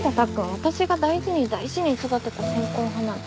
私が大事に大事に育てた線香花火。